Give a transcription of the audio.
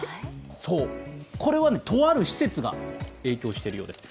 これはとある施設が影響しているようです。